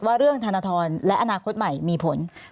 ว่าเรื่องธนทรและอนาคตใหม่มีผล